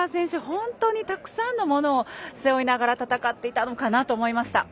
本当にたくさんのものを背負いながら戦っていたのかなと思いました。